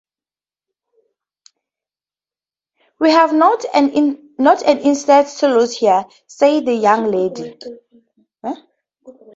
“We have not an instant to lose here,” said the young lady.